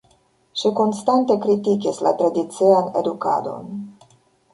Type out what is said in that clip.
Ŝi konstante kritikis la tradician edukadon.